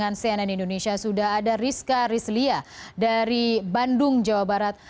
yang produser lapangan cnn indonesia sudah ada rizka rizlia dari bandung jawa barat